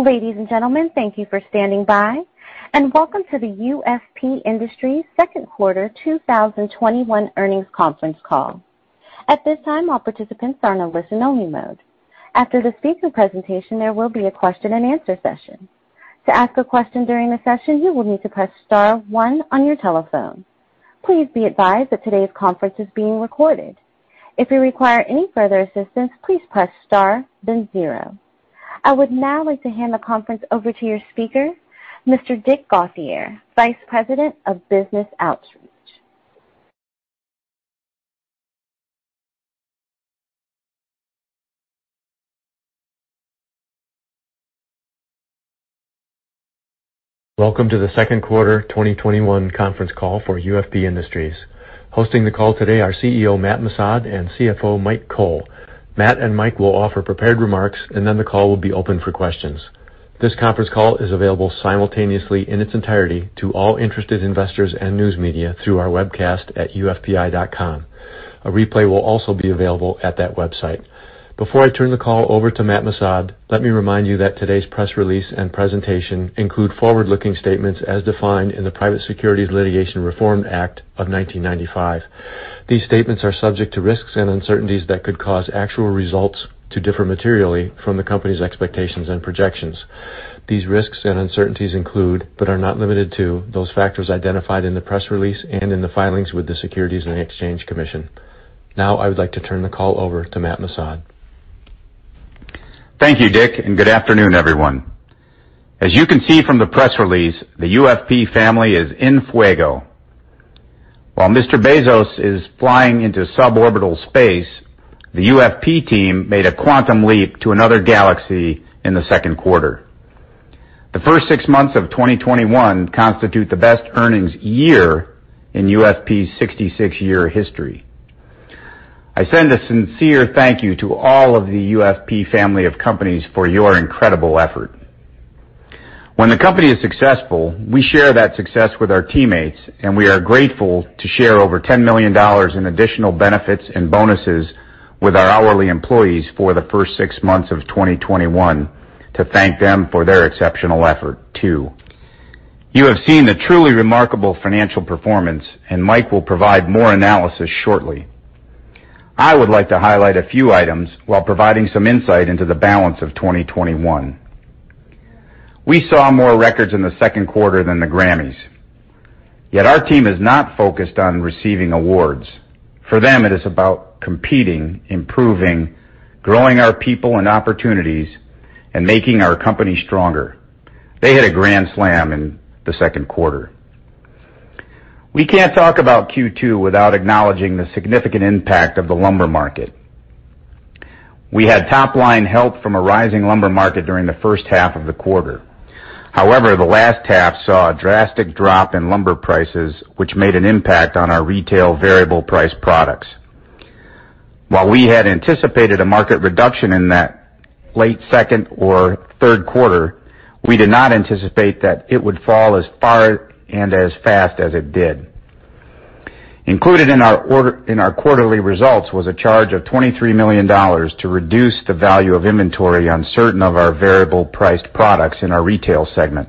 Ladies and gentlemen, thank you for standing by, and welcome to the UFP Industries Q2 2021 earnings conference call. At this time, all participants are in listen only mode. After the speaker presentation, there will be a question and answer session. To ask a question during the session, you will need to press star one on your telephone. Please be advised that today's conference is being recorded. If you require any further assistance, please press star, then zero. I would now like to hand the conference over to your speaker, Mr. Dick Gauthier, Vice President of Business Outreach. Welcome to the second quarter 2021 conference call for UFP Industries. Hosting the call today are CEO Matt Missad and CFO Mike Cole. Matt and Mike will offer prepared remarks, and then the call will be open for questions. This conference call is available simultaneously in its entirety to all interested investors and news media through our webcast at ufp.com. A replay will also be available at that website. Before I turn the call over to Matt Missad, let me remind you that today's press release and presentation include forward-looking statements as defined in the Private Securities Litigation Reform Act of 1995. These statements are subject to risks and uncertainties that could cause actual results to differ materially from the company's expectations and projections. These risks and uncertainties include, but are not limited to, those factors identified in the press release and in the filings with the Securities and Exchange Commission. I would like to turn the call over to Matt Missad. Thank you, Dick. Good afternoon, everyone. As you can see from the press release, the UFP family is en fuego. While Mr. Bezos is flying into suborbital space, the UFP team made a quantum leap to another galaxy in the Q2. The first six months of 2021 constitute the best earnings year in UFP's 66-year history. I send a sincere thank you to all of the UFP family of companies for your incredible effort. When the company is successful, we share that success with our teammates, and we are grateful to share over $10 million in additional benefits and bonuses with our hourly employees for the first six months of 2021 to thank them for their exceptional effort too. You have seen the truly remarkable financial performance, and Mike will provide more analysis shortly. I would like to highlight a few items while providing some insight into the balance of 2021. We saw more records in the Q2 than the Grammys, yet our team is not focused on receiving awards. For them, it is about competing, improving, growing our people and opportunities, and making our company stronger. They hit a grand slam in the Q2. We can't talk about Q2 without acknowledging the significant impact of the lumber market. We had top-line help from a rising lumber market during the first half of the quarter. The last half saw a drastic drop in lumber prices, which made an impact on our retail variable price products. While we had anticipated a market reduction in that late Q2 or Q3, we did not anticipate that it would fall as far and as fast as it did. Included in our quarterly results was a charge of $23 million to reduce the value of inventory on certain of our variable-priced products in our retail segment.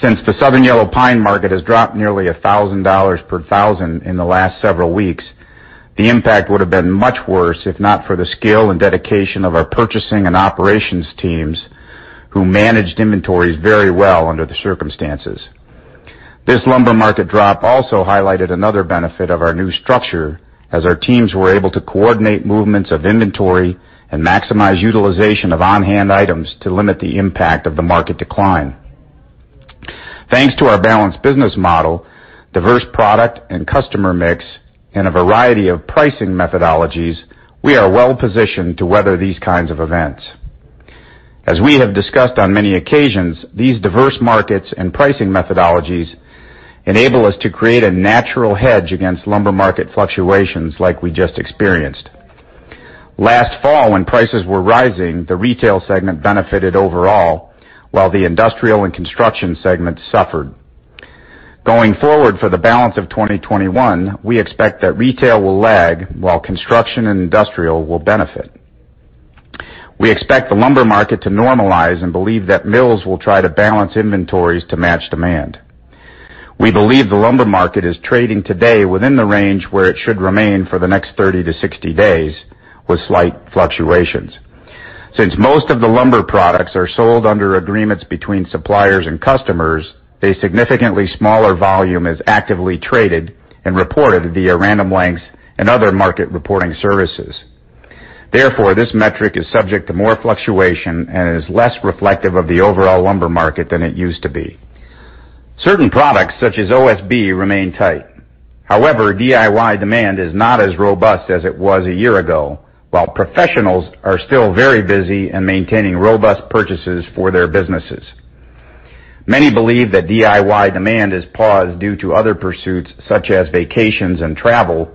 Since the Southern Yellow Pine market has dropped nearly $1,000 per thousand in the last several weeks, the impact would have been much worse if not for the skill and dedication of our purchasing and operations teams, who managed inventories very well under the circumstances. This lumber market drop also highlighted another benefit of our new structure, as our teams were able to coordinate movements of inventory and maximize utilization of on-hand items to limit the impact of the market decline. Thanks to our balanced business model, diverse product, and customer mix, and a variety of pricing methodologies, we are well-positioned to weather these kinds of events. As we have discussed on many occasions, these diverse markets and pricing methodologies enable us to create a natural hedge against lumber market fluctuations like we just experienced. Last fall, when prices were rising, the Retail segment benefited overall while the Industrial and Construction segment suffered. Going forward for the balance of 2021, we expect that Retail will lag while Construction and Industrial will benefit. We expect the lumber market to normalize and believe that mills will try to balance inventories to match demand. We believe the lumber market is trading today within the range where it should remain for the next 30-60 days with slight fluctuations. Most of the lumber products are sold under agreements between suppliers and customers, a significantly smaller volume is actively traded and reported via Random Lengths and other market reporting services. Therefore, this metric is subject to more fluctuation and is less reflective of the overall lumber market than it used to be. Certain products, such as OSB, remain tight. DIY demand is not as robust as it was a year ago, while professionals are still very busy in maintaining robust purchases for their businesses. Many believe that DIY demand is paused due to other pursuits such as vacations and travel,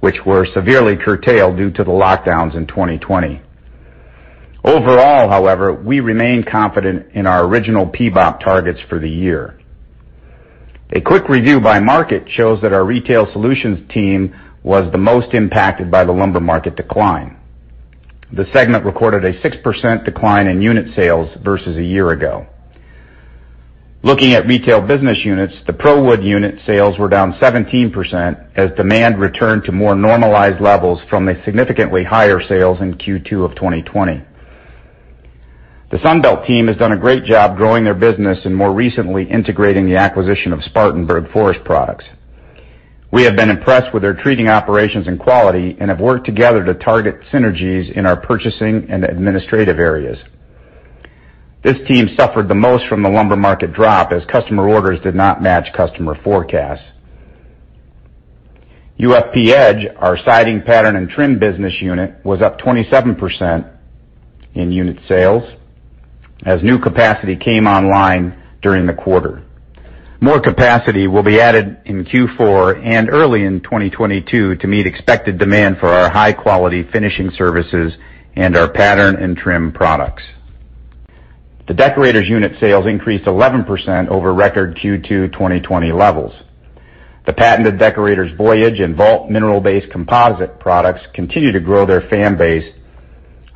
which were severely curtailed due to the lockdowns in 2020. We remain confident in our original PBOP targets for the year. A quick review by market shows that our Retail Solutions team was the most impacted by the lumber market decline. The segment recorded a 6% decline in unit sales versus a year ago. Looking at retail business units, the ProWood unit sales were down 17% as demand returned to more normalized levels from the significantly higher sales in Q2 of 2020. The Sunbelt team has done a great job growing their business and more recently integrating the acquisition of Spartanburg Forest Products. We have been impressed with their treating operations and quality and have worked together to target synergies in our purchasing and administrative areas. This team suffered the most from the lumber market drop as customer orders did not match customer forecasts. UFP-Edge, our siding pattern and trim business unit, was up 27% in unit sales as new capacity came online during the quarter. More capacity will be added in Q4 and early in 2022 to meet expected demand for our high-quality finishing services and our pattern and trim products. The Deckorators unit sales increased 11% over record Q2 2020 levels. The patented Deckorators Voyage and Vault mineral-based composite products continue to grow their fan base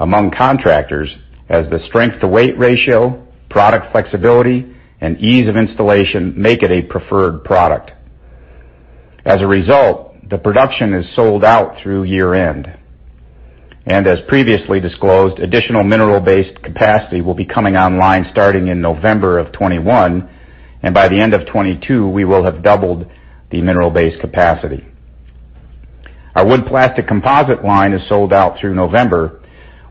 among contractors as the strength-to-weight ratio, product flexibility, and ease of installation make it a preferred product. As a result, the production is sold out through year-end. As previously disclosed, additional mineral-based capacity will be coming online starting in November of 2021, and by the end of 2022, we will have doubled the mineral-based capacity. Our wood plastic composite line is sold out through November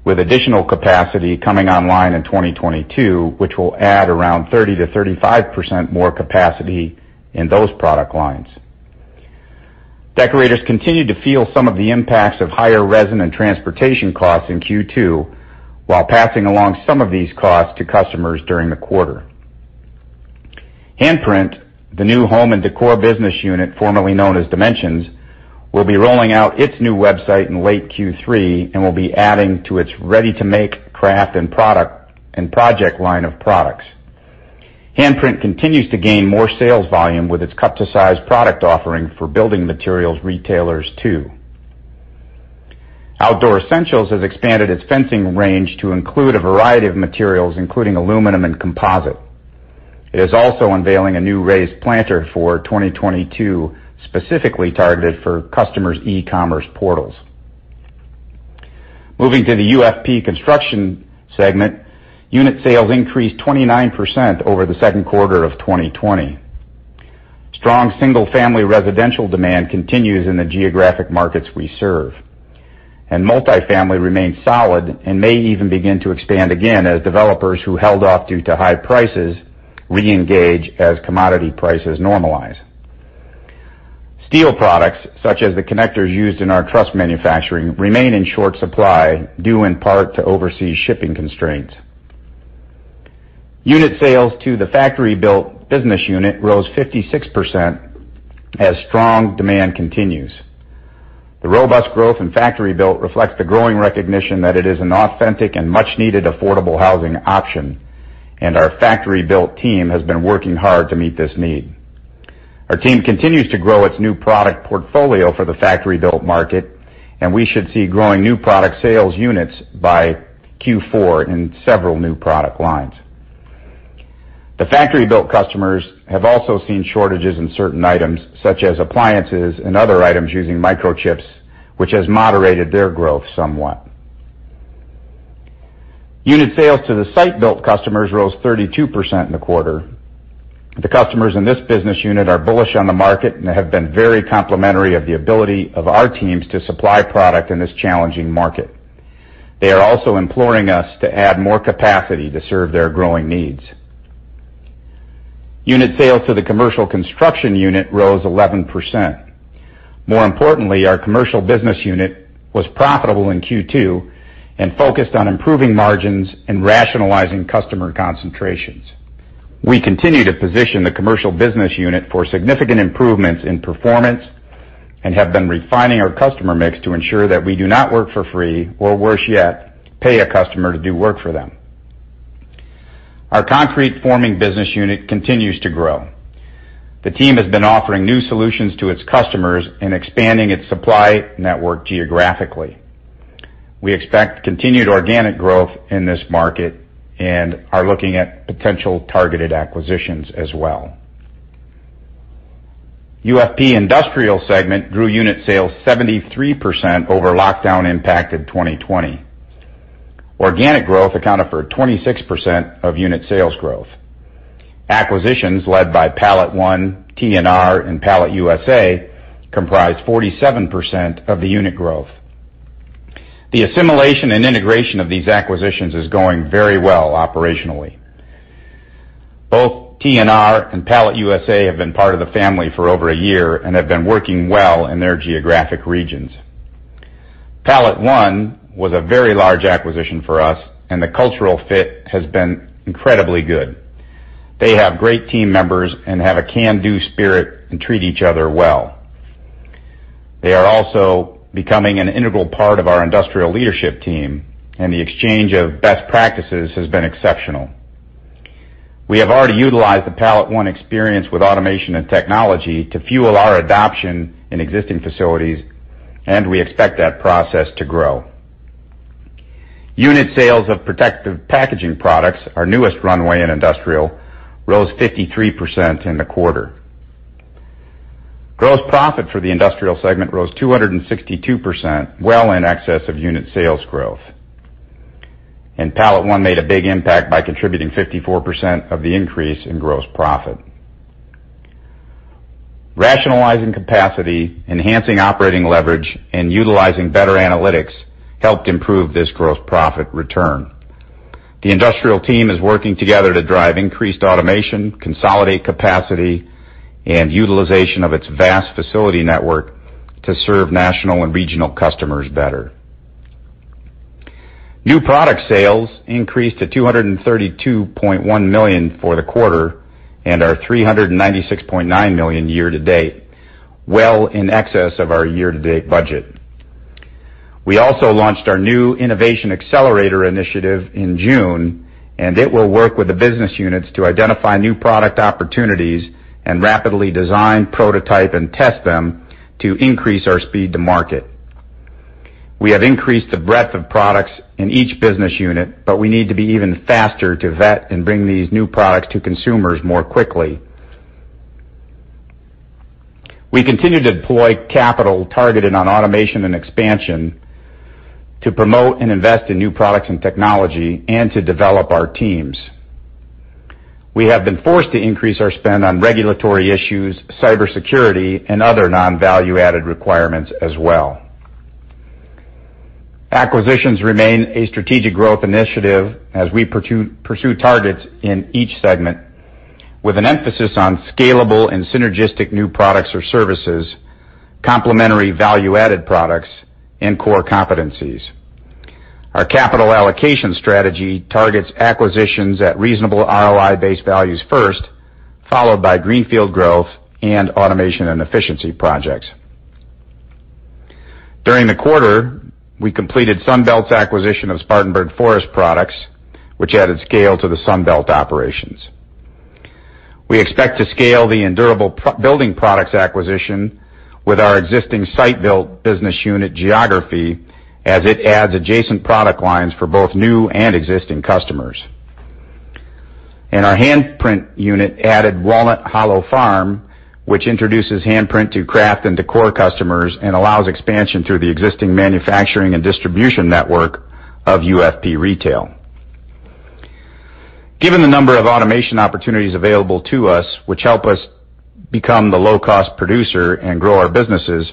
with additional capacity coming online in 2022, which will add around 30%-35% more capacity in those product lines. Deckorators continued to feel some of the impacts of higher resin and transportation costs in Q2 while passing along some of these costs to customers during the quarter. Handprint, the new home and decor business unit formerly known as Dimensions, will be rolling out its new website in late Q3 and will be adding to its ready-to-make craft and project line of products. Handprint continues to gain more sales volume with its cut-to-size product offering for building materials retailers too. Outdoor Essentials has expanded its fencing range to include a variety of materials, including aluminum and composite. It is also unveiling a new raised planter for 2022, specifically targeted for customers' e-commerce portals. Moving to the UFP Construction segment, unit sales increased 29% over the Q2 of 2020. Strong single-family residential demand continues in the geographic markets we serve. Multi-family remains solid and may even begin to expand again as developers who held off due to high prices reengage as commodity prices normalize. Steel products, such as the connectors used in our truss manufacturing, remain in short supply due in part to overseas shipping constraints. Unit sales to the factory-built business unit rose 56% as strong demand continues. The robust growth in factory-built reflects the growing recognition that it is an authentic and much-needed affordable housing option, and our factory-built team has been working hard to meet this need. Our team continues to grow its new product portfolio for the factory-built market, and we should see growing new product sales units by Q4 in several new product lines. The factory-built customers have also seen shortages in certain items, such as appliances and other items using microchips, which has moderated their growth somewhat. Unit sales to the site-built customers rose 32% in the quarter. The customers in this business unit are bullish on the market and have been very complimentary of the ability of our teams to supply product in this challenging market. They are also imploring us to add more capacity to serve their growing needs. Unit sales to the commercial construction unit rose 11%. More importantly, our commercial business unit was profitable in Q2 and focused on improving margins and rationalizing customer concentrations. We continue to position the commercial business unit for significant improvements in performance and have been refining our customer mix to ensure that we do not work for free or worse yet, pay a customer to do work for them. Our concrete forming business unit continues to grow. The team has been offering new solutions to its customers and expanding its supply network geographically. We expect continued organic growth in this market and are looking at potential targeted acquisitions as well. UFP Industrial segment grew unit sales 73% over lockdown-impacted 2020. Organic growth accounted for 26% of unit sales growth. Acquisitions led by PalletOne, T&R, and Pallet USA comprised 47% of the unit growth. The assimilation and integration of these acquisitions is going very well operationally. Both T&R and Pallet USA have been part of the family for over one year and have been working well in their geographic regions. PalletOne was a very large acquisition for us and the cultural fit has been incredibly good. They have great team members and have a can-do spirit and treat each other well. They are also becoming an integral part of our industrial leadership team, and the exchange of best practices has been exceptional. We have already utilized the PalletOne experience with automation and technology to fuel our adoption in existing facilities, and we expect that process to grow. Unit sales of protective packaging products, our newest runway in Industrial, rose 53% in the quarter. Gross profit for the Industrial segment rose 262%, well in excess of unit sales growth. PalletOne made a big impact by contributing 54% of the increase in gross profit. Rationalizing capacity, enhancing operating leverage, and utilizing better analytics helped improve this gross profit return. The Industrial team is working together to drive increased automation, consolidate capacity, and utilization of its vast facility network to serve national and regional customers better. New product sales increased to $232.1 million for the quarter, and are $396.9 million year to date, well in excess of our year-to-date budget. We also launched our new Innovation Accelerator Initiative in June. It will work with the business units to identify new product opportunities and rapidly design, prototype, and test them to increase our speed to market. We have increased the breadth of products in each business unit. We need to be even faster to vet and bring these new products to consumers more quickly. We continue to deploy capital targeted on automation and expansion to promote and invest in new products and technology and to develop our teams. We have been forced to increase our spend on regulatory issues, cybersecurity, and other non-value-added requirements as well. Acquisitions remain a strategic growth initiative as we pursue targets in each segment with an emphasis on scalable and synergistic new products or services, complementary value-added products, and core competencies. Our capital allocation strategy targets acquisitions at reasonable ROI-based values first, followed by greenfield growth and automation and efficiency projects. During the quarter, we completed Sunbelt's acquisition of Spartanburg Forest Products, which added scale to the Sunbelt operations. We expect to scale the Endurable Building Products acquisition with our existing Site Built business unit geography as it adds adjacent product lines for both new and existing customers. Our Handprint unit added Walnut Hollow Farm, which introduces Handprint to craft and decor customers and allows expansion through the existing manufacturing and distribution network of UFP Retail. Given the number of automation opportunities available to us, which help us become the low-cost producer and grow our businesses,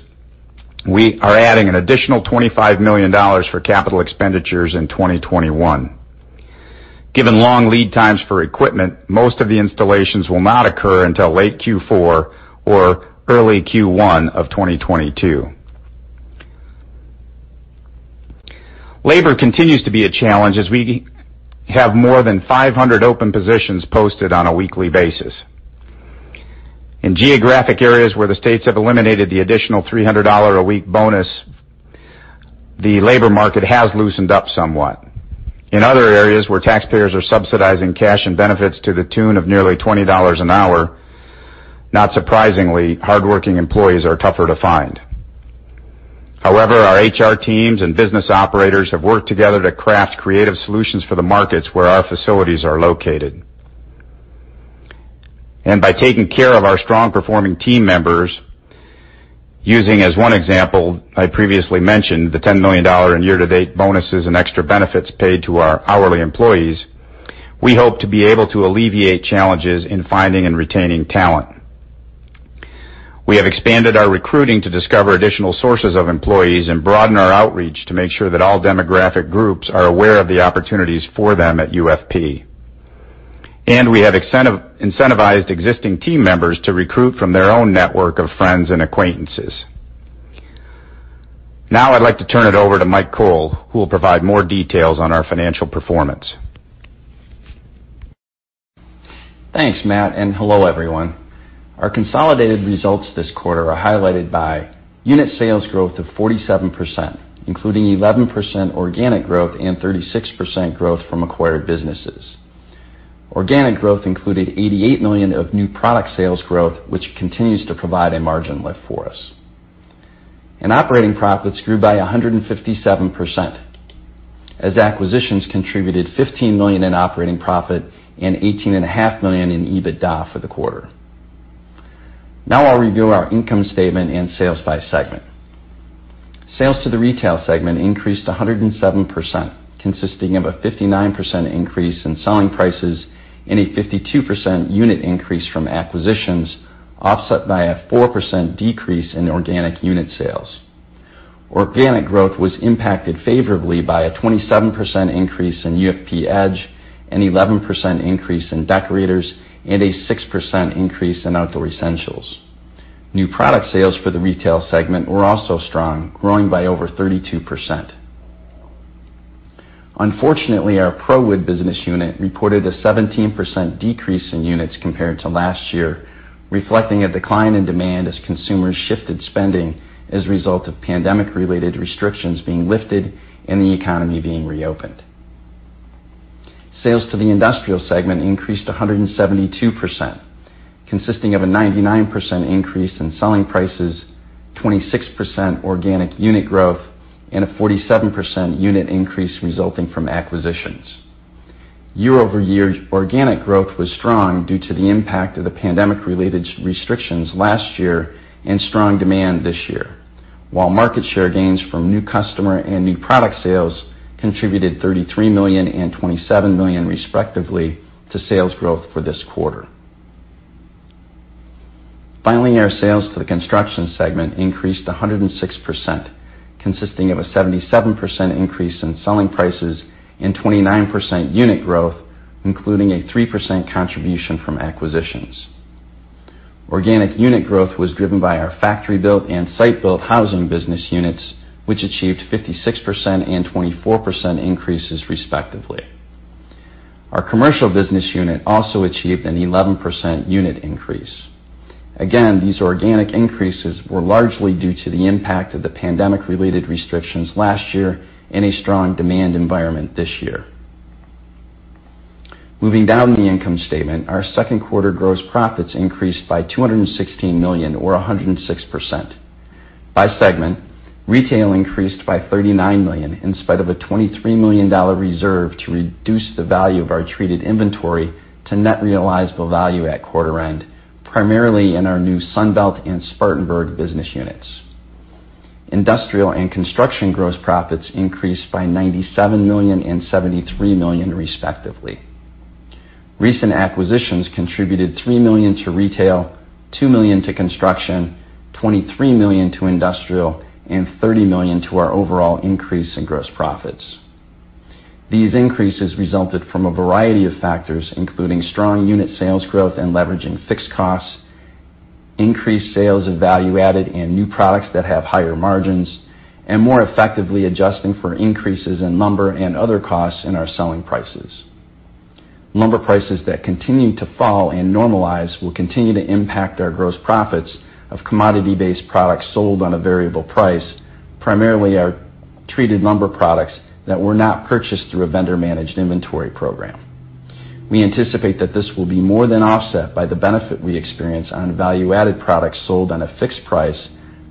we are adding an additional $25 million for capital expenditures in 2021. Given long lead times for equipment, most of the installations will not occur until late Q4 or early Q1 of 2022. Labor continues to be a challenge as we have more than 500 open positions posted on a weekly basis. In geographic areas where the states have eliminated the additional $300 a week bonus, the labor market has loosened up somewhat. In other areas where taxpayers are subsidizing cash and benefits to the tune of nearly $20 an hour, not surprisingly, hardworking employees are tougher to find. However, our HR teams and business operators have worked together to craft creative solutions for the markets where our facilities are located. By taking care of our strong-performing team members, using as one example, I previously mentioned the $10 million in year-to-date bonuses and extra benefits paid to our hourly employees, we hope to be able to alleviate challenges in finding and retaining talent. We have expanded our recruiting to discover additional sources of employees and broaden our outreach to make sure that all demographic groups are aware of the opportunities for them at UFP. We have incentivized existing team members to recruit from their own network of friends and acquaintances. Now I'd like to turn it over to Mike Cole, who will provide more details on our financial performance. Thanks, Matt, and hello, everyone. Our consolidated results this quarter are highlighted by unit sales growth of 47%, including 11% organic growth and 36% growth from acquired businesses. Organic growth included $88 million of new product sales growth, which continues to provide a margin lift for us. Operating profits grew by 157% as acquisitions contributed $15 million in operating profit and $18.5 million in EBITDA for the quarter. I'll review our income statement and sales by segment. Sales to the Retail segment increased 107%, consisting of a 59% increase in selling prices and a 52% unit increase from acquisitions, offset by a 4% decrease in organic unit sales. Organic growth was impacted favorably by a 27% increase in UFP-Edge, an 11% increase in Deckorators, and a 6% increase in Outdoor Essentials. New product sales for the retail segment were also strong, growing by over 32%. Unfortunately, our ProWood business unit reported a 17% decrease in units compared to last year, reflecting a decline in demand as consumers shifted spending as a result of pandemic-related restrictions being lifted and the economy being reopened. Sales to the industrial segment increased 172%, consisting of a 99% increase in selling prices, 26% organic unit growth, and a 47% unit increase resulting from acquisitions. Year-over-year organic growth was strong due to the impact of the pandemic-related restrictions last year and strong demand this year. While market share gains from new customer and new product sales contributed $33 million and $27 million, respectively, to sales growth for this quarter. Finally, our sales to the construction segment increased 106%, consisting of a 77% increase in selling prices and 29% unit growth, including a 3% contribution from acquisitions. Organic unit growth was driven by our factory-built and site-built housing business units, which achieved 56% and 24% increases, respectively. Our commercial business unit also achieved an 11% unit increase. Again, these organic increases were largely due to the impact of the pandemic-related restrictions last year and a strong demand environment this year. Moving down the income statement, our Q2 gross profits increased by $216 million or 106%. By segment, retail increased by $39 million in spite of a $23 million reserve to reduce the value of our treated inventory to net realizable value at quarter end, primarily in our new Sunbelt and Spartanburg business units. Industrial and construction gross profits increased by $97 million and $73 million, respectively. Recent acquisitions contributed $3 million to retail, $2 million to construction, $23 million to industrial, and $30 million to our overall increase in gross profits. These increases resulted from a variety of factors, including strong unit sales growth and leveraging fixed costs, increased sales of value-added and new products that have higher margins, and more effectively adjusting for increases in lumber and other costs in our selling prices. Lumber prices that continue to fall and normalize will continue to impact our gross profits of commodity-based products sold on a variable price, primarily our treated lumber products that were not purchased through a vendor managed inventory program. We anticipate that this will be more than offset by the benefit we experience on value-added products sold on a fixed price,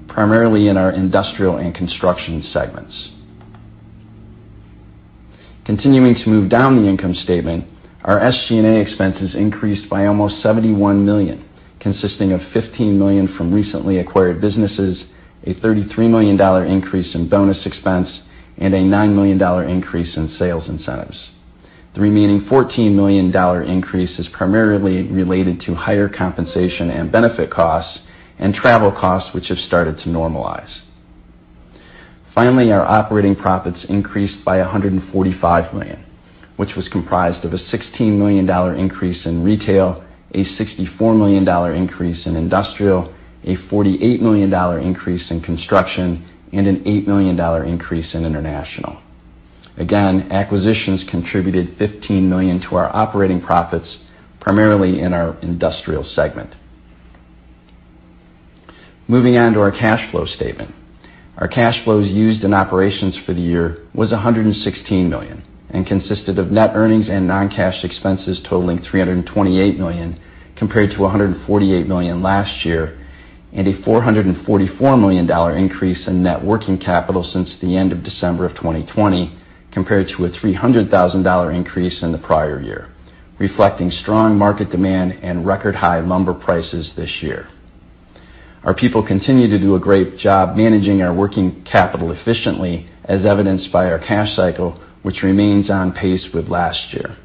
primarily in our Industrial and Construction segments. Continuing to move down the income statement, our SG&A expenses increased by almost $71 million, consisting of $15 million from recently acquired businesses, a $33 million increase in bonus expense, and a $9 million increase in sales incentives. The remaining $14 million increase is primarily related to higher compensation and benefit costs and travel costs, which have started to normalize. Finally, our operating profits increased by $145 million, which was comprised of a $16 million increase in Retail, a $64 million increase in Industrial, a $48 million increase in Construction, and an $8 million increase in international. Again, acquisitions contributed $15 million to our operating profits, primarily in our Industrial segment. Moving on to our cash flow statement. Our cash flows used in operations for the year was $116 million and consisted of net earnings and non-cash expenses totaling $328 million compared to $148 million last year, and a $444 million increase in net working capital since the end of December of 2020, compared to a $300,000 increase in the prior year, reflecting strong market demand and record-high lumber prices this year. Our people continue to do a great job managing our working capital efficiently, as evidenced by our cash cycle, which remains on pace with last year.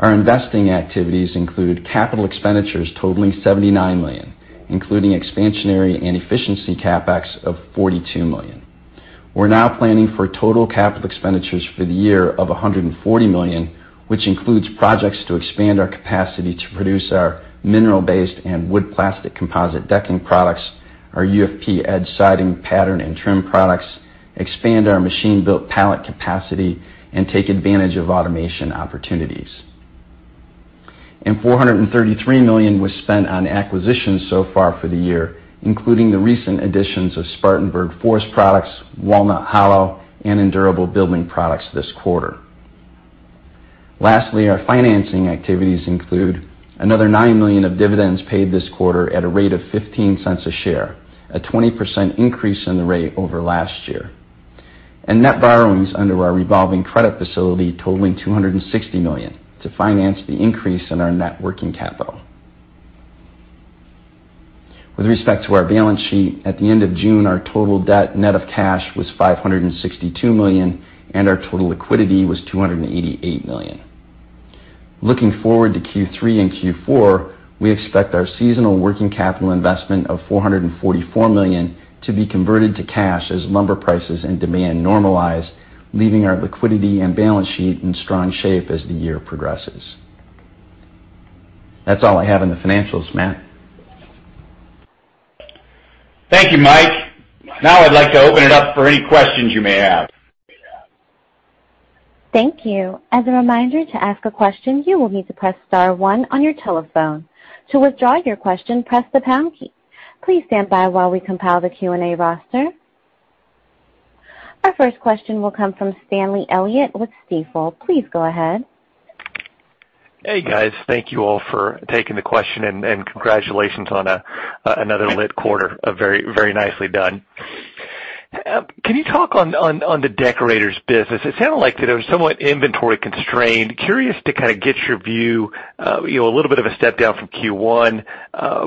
Our investing activities include capital expenditures totaling $79 million, including expansionary and efficiency CapEx of $42 million. We're now planning for total capital expenditures for the year of $140 million, which includes projects to expand our capacity to produce our mineral-based and wood plastic composite decking products, our UFP-Edge siding pattern and trim products, expand our machine-built pallet capacity, and take advantage of automation opportunities. $433 million was spent on acquisitions so far for the year, including the recent additions of Spartanburg Forest Products, Walnut Hollow, and Endurable Building Products this quarter. Lastly, our financing activities include another $9 million of dividends paid this quarter at a rate of $0.15 a share, a 20% increase in the rate over last year. Net borrowings under our revolving credit facility totaling $260 million to finance the increase in our net working capital. With respect to our balance sheet, at the end of June, our total debt net of cash was $562 million, and our total liquidity was $288 million. Looking forward to Q3 and Q4, we expect our seasonal working capital investment of $444 million to be converted to cash as lumber prices and demand normalize, leaving our liquidity and balance sheet in strong shape as the year progresses. That's all I have on the financials, Matt. Thank you, Mike. Now I'd like to open it up for any questions you may have. Thank you. As a reminder, to ask a question, you will need to press star one on your telephone. To withdraw your question, press the pound key. Please stand by while we compile the Q&A roster. Our first question will come from Stanley Elliott with Stifel. Please go ahead. Hey, guys. Thank you all for taking the question. Congratulations on another lit quarter. Very nicely done. Can you talk on the Deckorators business? It sounded like it was somewhat inventory constrained. Curious to kind of get your view. A little bit of a step down from Q1,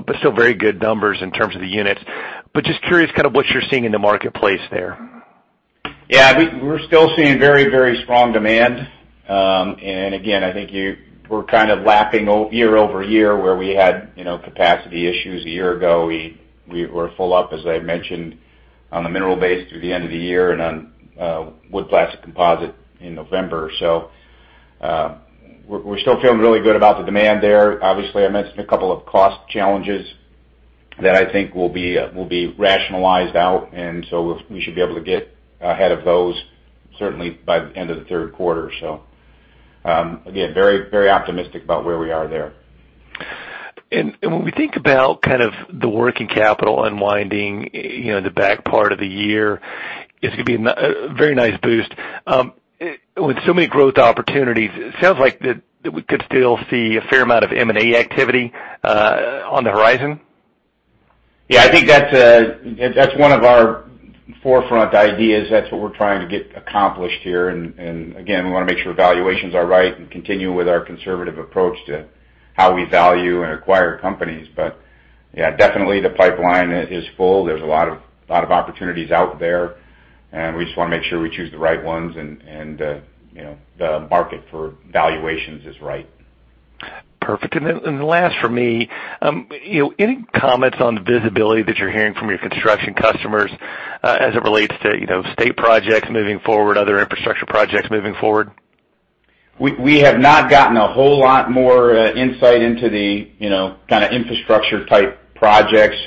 but still very good numbers in terms of the units. Just curious kind of what you're seeing in the marketplace there. We're still seeing very strong demand. I think we're kind of lapping year-over-year where we had capacity issues a year ago. We were full up, as I mentioned, on the mineral base through the end of the year and on wood plastic composite in November. We're still feeling really good about the demand there. Obviously, I mentioned a couple of cost challenges that I think will be rationalized out, we should be able to get ahead of those certainly by the end of the Q3. Very optimistic about where we are there. When we think about kind of the working capital unwinding in the back part of the year, it's going to be a very nice boost. With so many growth opportunities, it sounds like that we could still see a fair amount of M&A activity on the horizon. Yeah, I think that's one of our forefront ideas. That's what we're trying to get accomplished here. Again, we want to make sure valuations are right and continue with our conservative approach to how we value and acquire companies. Yeah, definitely the pipeline is full. There's a lot of opportunities out there, and we just want to make sure we choose the right ones and the market for valuations is right. Perfect. The last from me, any comments on the visibility that you're hearing from your construction customers as it relates to state projects moving forward, other infrastructure projects moving forward? We have not gotten a whole lot more insight into the kind of infrastructure type projects.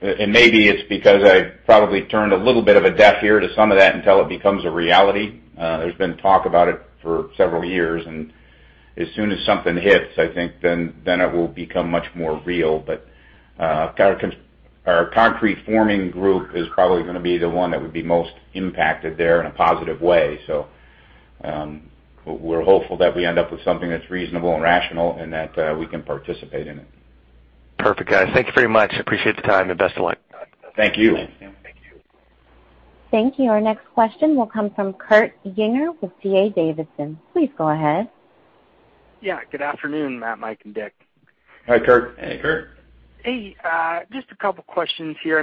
Maybe it's because I probably turned a little bit of a deaf ear to some of that until it becomes a reality. There's been talk about it for several years, and as soon as something hits, I think then it will become much more real. Our concrete forming group is probably going to be the one that would be most impacted there in a positive way. We're hopeful that we end up with something that's reasonable and rational and that we can participate in it. Perfect, guys. Thank you very much. Appreciate the time, and best of luck. Thank you. Thank you. Our next question will come from Kurt Yinger with D.A. Davidson. Please go ahead. Yeah. Good afternoon, Matt, Mike, and Dick. Hi, Kurt. Hey, Kurt. Hey. Just a couple of questions here.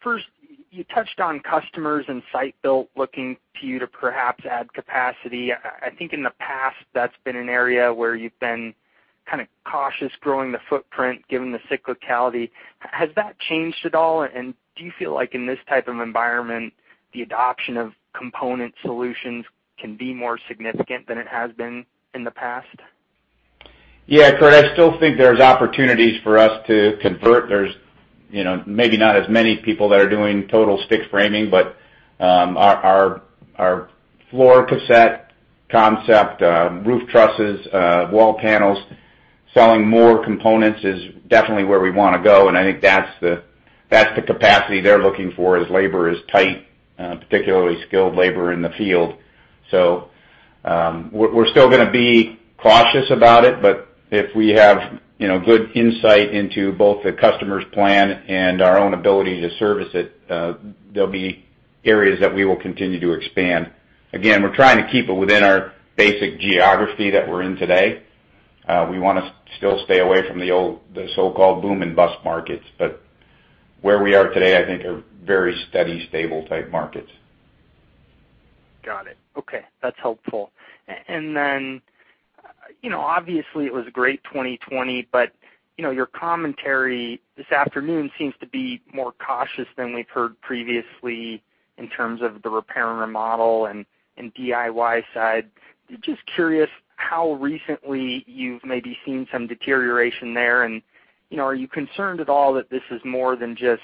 First, you touched on customers and site-built looking to you to perhaps add capacity. I think in the past, that's been an area where you've been kind of cautious growing the footprint, given the cyclicality. Has that changed at all? Do you feel like in this type of environment, the adoption of component solutions can be more significant than it has been in the past? Yeah, Kurt, I still think there's opportunities for us to convert. There's maybe not as many people that are doing total stick framing, but our floor cassette concept, roof trusses, wall panels, selling more components is definitely where we want to go, and I think that's the capacity they're looking for as labor is tight, particularly skilled labor in the field. We're still going to be cautious about it, but if we have good insight into both the customer's plan and our own ability to service it, there'll be areas that we will continue to expand. Again, we're trying to keep it within our basic geography that we're in today. We want to still stay away from the so-called boom and bust markets. Where we are today, I think are very steady, stable type markets. Got it. Okay. That's helpful. Obviously it was a great 2020, but your commentary this afternoon seems to be more cautious than we've heard previously in terms of the repair and remodel and DIY side. Just curious how recently you've maybe seen some deterioration there, and are you concerned at all that this is more than just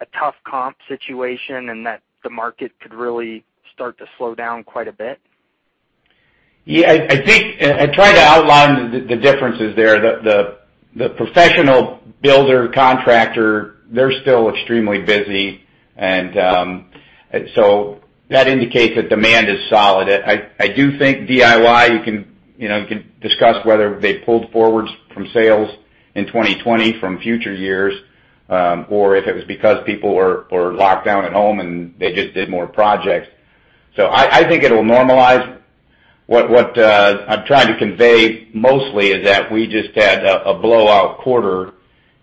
a tough comp situation and that the market could really start to slow down quite a bit? Yeah, I tried to outline the differences there. The professional builder contractor, they're still extremely busy, that indicates that demand is solid. I do think DIY, you can discuss whether they pulled forward from sales in 2020 from future years, or if it was because people were locked down at home, and they just did more projects. I think it'll normalize. What I'm trying to convey mostly is that we just had a blowout quarter,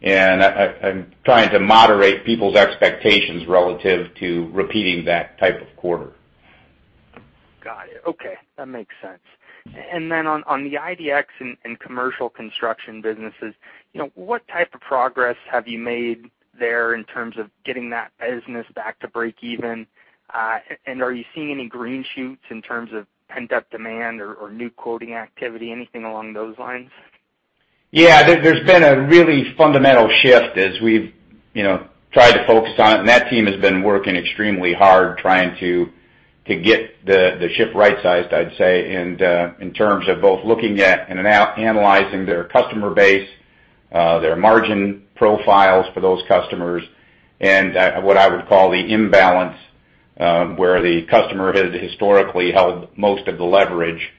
and I'm trying to moderate people's expectations relative to repeating that type of quarter. Got it. Okay. That makes sense. On the idX and commercial construction businesses, what type of progress have you made there in terms of getting that business back to breakeven? Are you seeing any green shoots in terms of pent-up demand or new quoting activity, anything along those lines? There's been a really fundamental shift as we've tried to focus on it, and that team has been working extremely hard trying to get the ship right-sized, I'd say, in terms of both looking at and analyzing their customer base, their margin profiles for those customers, and what I would call the imbalance, where the customer has historically held most of the leverage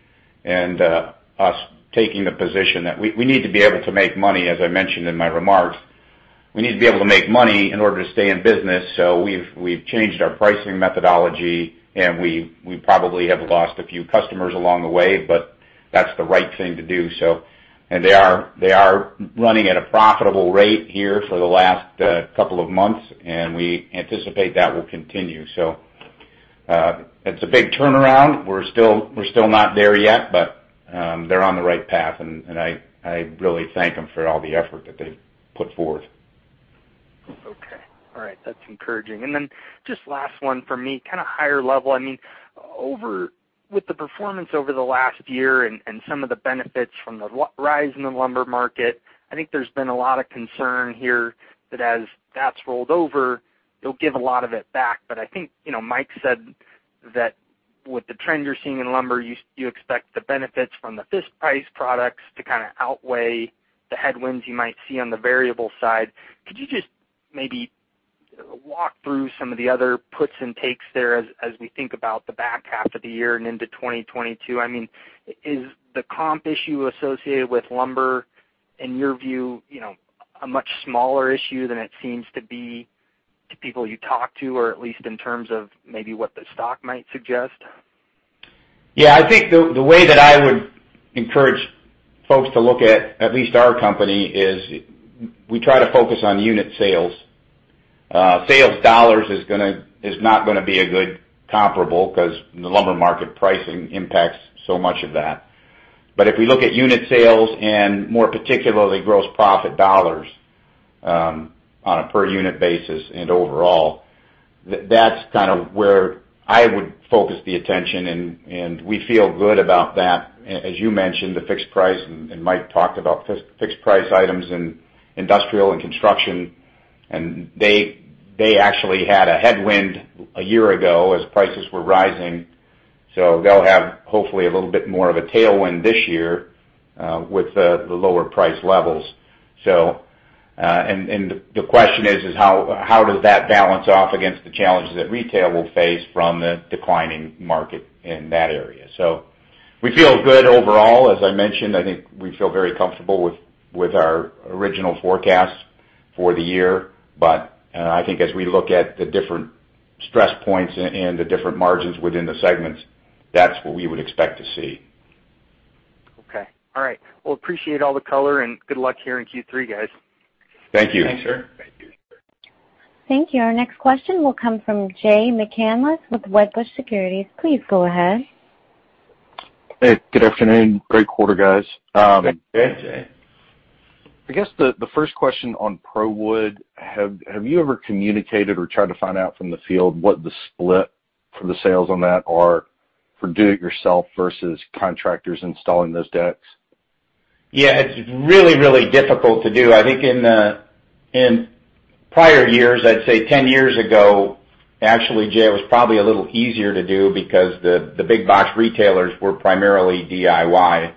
and us taking the position that we need to be able to make money, as I mentioned in my remarks. We need to be able to make money in order to stay in business. We've changed our pricing methodology, and we probably have lost a few customers along the way, but that's the right thing to do. They are running at a profitable rate here for the last couple of months, and we anticipate that will continue. It's a big turnaround. We're still not there yet, but they're on the right path, and I really thank them for all the effort that they've put forth. Okay. All right. That's encouraging. Then just last one for me, kind of higher level. With the performance over the last year and some of the benefits from the rise in the lumber market, I think there's been a lot of concern here that as that's rolled over, you'll give a lot of it back. I think Mike said that with the trend you're seeing in lumber, you expect the benefits from the fixed price products to kind of outweigh the headwinds you might see on the variable side. Could you just maybe walk through some of the other puts and takes there as we think about the back half of the year and into 2022? Is the comp issue associated with lumber, in your view, a much smaller issue than it seems to be to people you talk to, or at least in terms of maybe what the stock might suggest? I think the way that I would encourage folks to look at least our company, is we try to focus on unit sales. Sales dollars is not going to be a good comparable because the lumber market pricing impacts so much of that. If we look at unit sales and more particularly gross profit dollars on a per unit basis and overall, that's kind of where I would focus the attention, and we feel good about that. As you mentioned, the fixed price, Mike Cole talked about fixed price items in UFP Industrial and UFP Construction. They actually had a headwind 1 year ago as prices were rising. They'll have, hopefully, a little bit more of a tailwind this year with the lower price levels. The question is, how does that balance off against the challenges that retail will face from the declining market in that area? We feel good overall. As I mentioned, I think we feel very comfortable with our original forecast for the year. I think as we look at the different stress points and the different margins within the segments, that's what we would expect to see. Okay. All right. Well, appreciate all the color and good luck here in Q3, guys. Thank you. Thanks, sir. Thank you. Thank you. Our next question will come from Jay McCanless with Wedbush Securities. Please go ahead. Hey, good afternoon. Great quarter, guys. Thank you, Jay. I guess the first question on ProWood, have you ever communicated or tried to find out from the field what the split for the sales on that are for do-it-yourself versus contractors installing those decks? Yeah, it's really, really difficult to do. I think in prior years, I'd say 10 years ago, actually, Jay, it was probably a little easier to do because the big box retailers were primarily DIY.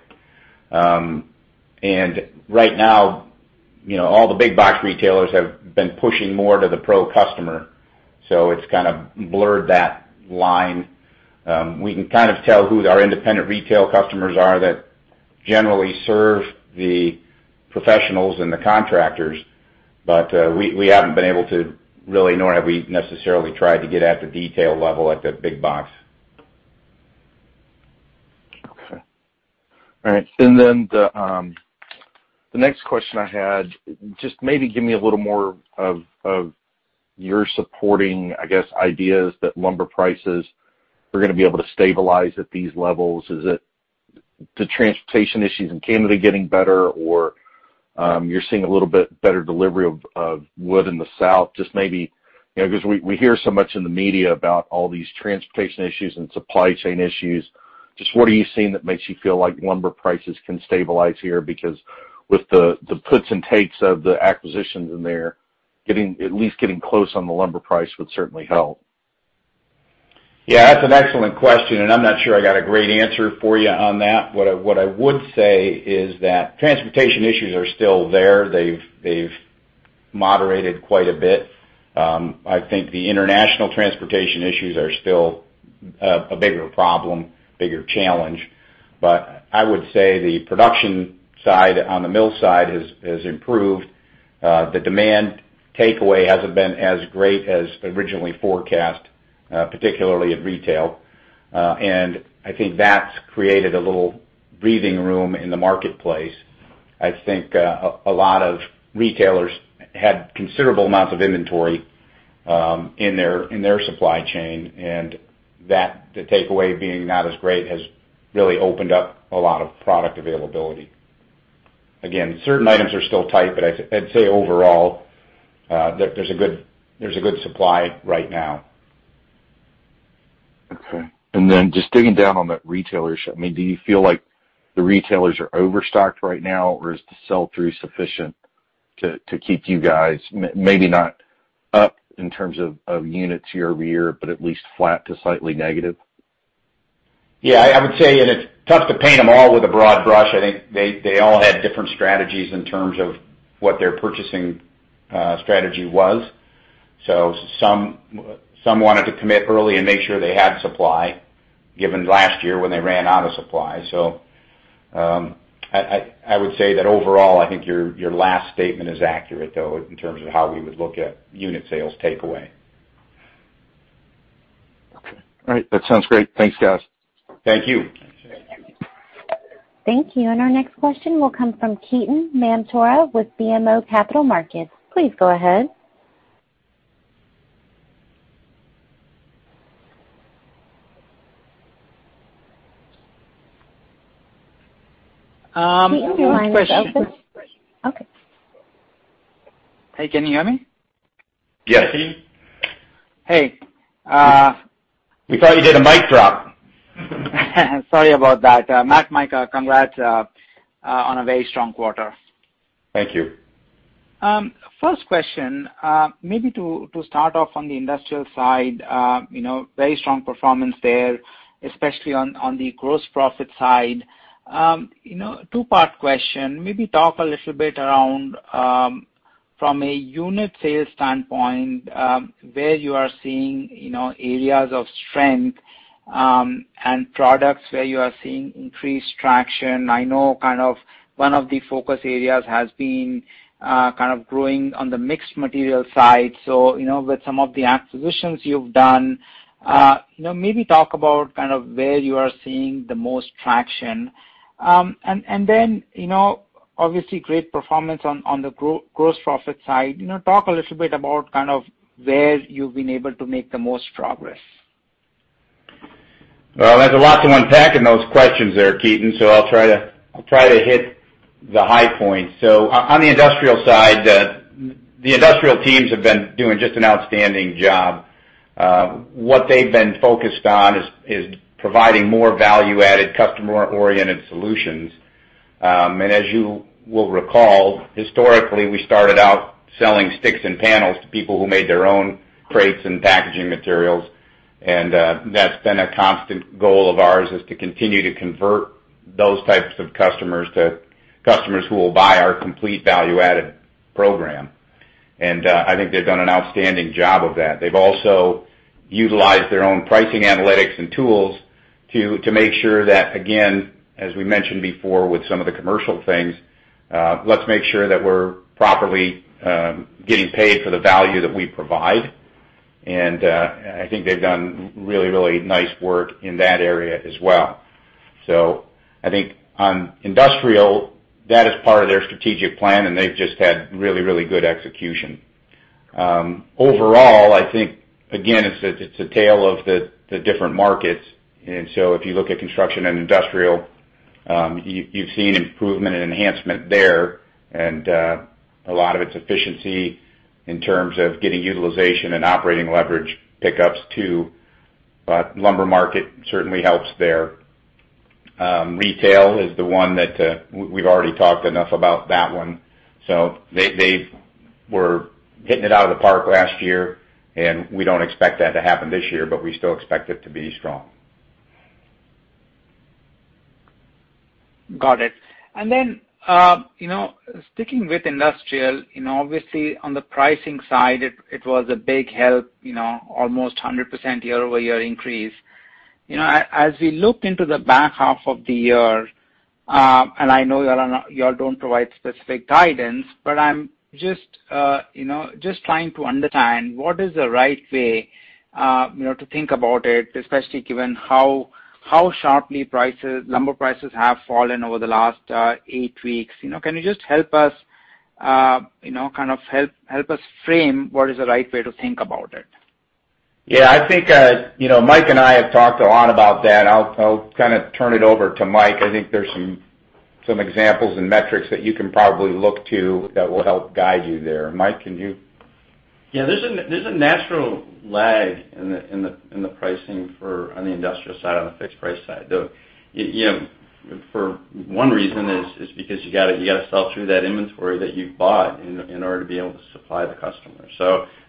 Right now, all the big box retailers have been pushing more to the pro customer. It's kind of blurred that line. We can kind of tell who our independent retail customers are that generally serve the professionals and the contractors, but we haven't been able to really, nor have we necessarily tried to get at the detail level at the big box. Okay. All right. The next question I had, just maybe give me a little more of your supporting, I guess, ideas that lumber prices are going to be able to stabilize at these levels. Is the transportation issues in Canada getting better, or you're seeing a little bit better delivery of wood in the south? Just maybe, because we hear so much in the media about all these transportation issues and supply chain issues, what are you seeing that makes you feel like lumber prices can stabilize here? Because with the puts and takes of the acquisitions in there, at least getting close on the lumber price would certainly help. Yeah, that's an excellent question, and I'm not sure I got a great answer for you on that. What I would say is that transportation issues are still there. They've moderated quite a bit. I think the international transportation issues are still a bigger problem, bigger challenge. I would say the production side on the mill side has improved. The demand takeaway hasn't been as great as originally forecast, particularly at retail. I think that's created a little breathing room in the marketplace. I think a lot of retailers had considerable amounts of inventory in their supply chain, and the takeaway being not as great has really opened up a lot of product availability. Again, certain items are still tight, but I'd say overall, there's a good supply right now. Okay. Just digging down on that retailership, do you feel like the retailers are overstocked right now? Is the sell-through sufficient to keep you guys, maybe not up in terms of units year-over-year, but at least flat to slightly negative? Yeah, I would say it's tough to paint them all with a broad brush. I think they all had different strategies in terms of what their purchasing strategy was. Some wanted to commit early and make sure they had supply, given last year when they ran out of supply. I would say that overall, I think your last statement is accurate, though, in terms of how we would look at unit sales takeaway. Okay. All right. That sounds great. Thanks, guys. Thank you. Thank you. Our next question will come from Ketan Mamtora with BMO Capital Markets. Please go ahead. Ketan, your line is open. Okay. Hey, can you hear me? Yes, Ketan. Hey. We thought you did a mic drop. Sorry about that. Matt, Mike, congrats on a very strong quarter. Thank you. First question, maybe to start off on the industrial side, very strong performance there, especially on the gross profit side. two-part question. Maybe talk a little bit around, from a unit sales standpoint, where you are seeing areas of strength, and products where you are seeing increased traction. I know one of the focus areas has been growing on the mixed material side. With some of the acquisitions you've done, maybe talk about where you are seeing the most traction. Obviously great performance on the gross profit side. Talk a little bit about where you've been able to make the most progress. There's a lot to unpack in those questions there, Ketan, so I'll try to hit the high points. On the industrial side, the industrial teams have been doing just an outstanding job. What they've been focused on is providing more value-added, customer-oriented solutions. As you will recall, historically, we started out selling sticks and panels to people who made their own crates and packaging materials. That's been a constant goal of ours, is to continue to convert those types of customers to customers who will buy our complete value-added program. I think they've done an outstanding job of that. They've also utilized their own pricing analytics and tools to make sure that, again, as we mentioned before, with some of the commercial things, let's make sure that we're properly getting paid for the value that we provide. I think they've done really nice work in that area as well. I think on UFP Industrial, that is part of their strategic plan, and they've just had really good execution. Overall, I think, again, it's a tale of the different markets. If you look at UFP Construction and UFP Industrial, you've seen improvement and enhancement there. A lot of it's efficiency in terms of getting utilization and operating leverage pickups too. Lumber market certainly helps there. UFP Retail is the one that we've already talked enough about that one. They were hitting it out of the park last year, and we don't expect that to happen this year, but we still expect it to be strong. Got it. Sticking with industrial, obviously on the pricing side, it was a big help, almost 100% year-over-year increase. As we look into the back half of the year, and I know you all don't provide specific guidance, but I'm just trying to understand what is the right way to think about it, especially given how sharply lumber prices have fallen over the last eight weeks. Can you just help us frame what is the right way to think about it? Yeah, I think Mike and I have talked a lot about that. I'll turn it over to Mike. I think there's some examples and metrics that you can probably look to that will help guide you there. Mike, can you? Yeah, there's a natural lag in the pricing on the industrial side, on the fixed price side. For one reason is because you got to sell through that inventory that you bought in order to be able to supply the customer.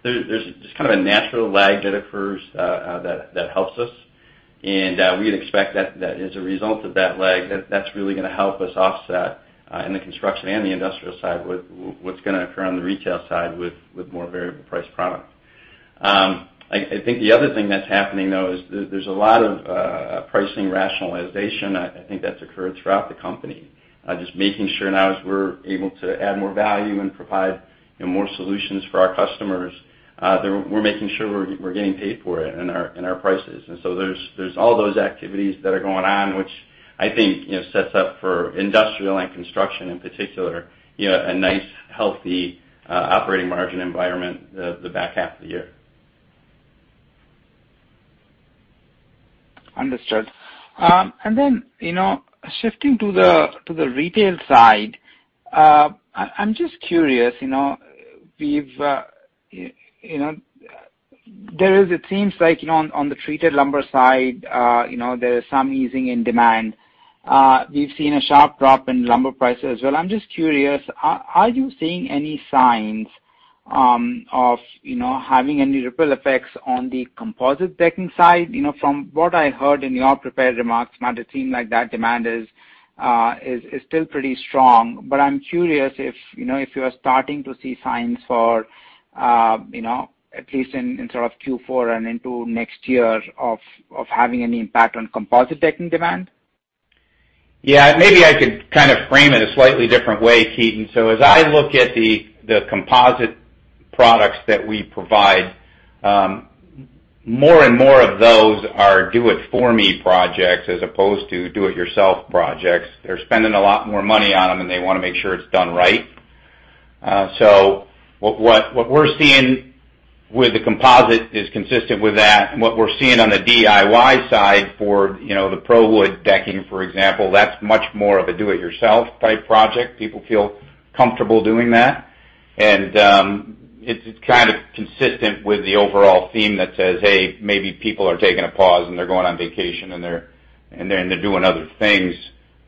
There's kind of a natural lag that occurs that helps us. We'd expect that as a result of that lag, that's really going to help us offset in the construction and the industrial side what's going to occur on the retail side with more variable priced product. I think the other thing that's happening, though, is there's a lot of pricing rationalization. I think that's occurred throughout the company. Just making sure now as we're able to add more value and provide more solutions for our customers, that we're making sure we're getting paid for it in our prices. There's all those activities that are going on, which I think sets up for industrial and construction in particular, a nice, healthy operating margin environment the back half of the year. Understood. Shifting to the retail side, I'm just curious. It seems like on the treated lumber side, there is some easing in demand. We've seen a sharp drop in lumber prices as well. I'm just curious, are you seeing any signs of having any ripple effects on the composite decking side? From what I heard in your prepared remarks, now it seems like that demand is still pretty strong. I'm curious if you are starting to see signs for, at least in sort of Q4 and into next year, of having any impact on composite decking demand. Yeah. Maybe I could kind of frame it a slightly different way, Ketan. As I look at the composite products that we provide, more and more of those are do it for me projects as opposed to do it yourself projects. They're spending a lot more money on them, and they want to make sure it's done right. What we're seeing with the composite is consistent with that. What we're seeing on the DIY side for the ProWood decking, for example, that's much more of a do it yourself type project. People feel comfortable doing that. It's kind of consistent with the overall theme that says, hey, maybe people are taking a pause and they're going on vacation, and they're doing other things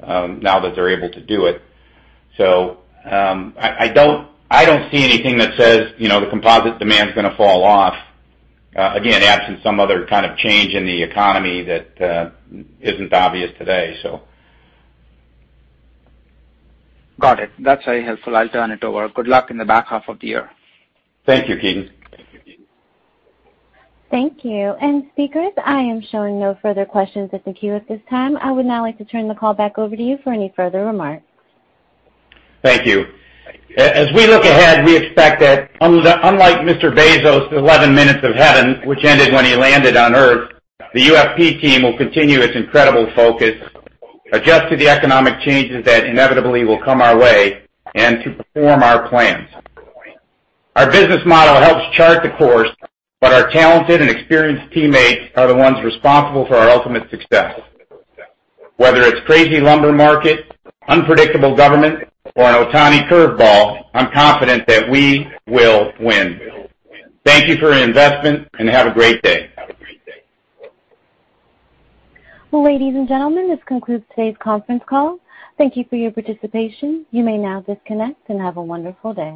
now that they're able to do it. I don't see anything that says the composite demand is going to fall off. Again, absent some other kind of change in the economy that isn't obvious today. Got it. That's very helpful. I'll turn it over. Good luck in the back half of the year. Thank you, Ketan. Thank you. Speakers, I am showing no further questions in the queue at this time. I would now like to turn the call back over to you for any further remarks. Thank you. As we look ahead, we expect that unlike Mr. Bezos' 11 minutes of heaven, which ended when he landed on Earth, the UFP team will continue its incredible focus, adjust to the economic changes that inevitably will come our way, and to perform our plans. Our business model helps chart the course, but our talented and experienced teammates are the ones responsible for our ultimate success. Whether it's crazy lumber market, unpredictable government, or an Ohtani curve ball, I'm confident that we will win. Thank you for your investment, and have a great day. Well, ladies and gentlemen, this concludes today's conference call. Thank you for your participation. You may now disconnect, and have a wonderful day.